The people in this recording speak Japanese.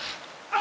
あ！